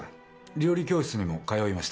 料理教室にも通いました。